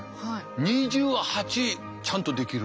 ２８ちゃんとできる。